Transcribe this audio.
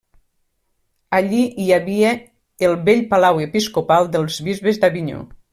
Allí hi havia el vell palau episcopal dels bisbes d'Avinyó.